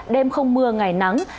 đêm không mưa ngày nắng